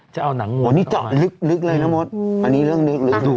จะเอาหนังงูมาทำมานะครับอันนี้จอดลึกเลยนะมดอันนี้เรื่องลึกดู